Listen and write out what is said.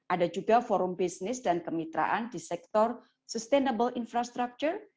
ada juga forum bisnis dan kemitraan di sektor sustainable infrastructure